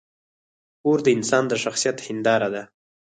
کور د انسان د شخصیت هنداره ده.